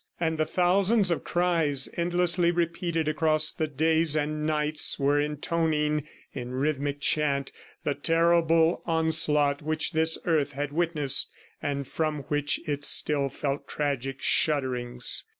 And the thousands of cries, endlessly repeated across the days and nights, were intoning in rhythmic chant the terrible onslaught which this earth had witnessed and from which it still felt tragic shudderings.